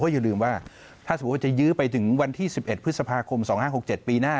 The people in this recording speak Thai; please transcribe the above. อย่าลืมว่าถ้าสมมุติว่าจะยื้อไปถึงวันที่๑๑พฤษภาคม๒๕๖๗ปีหน้า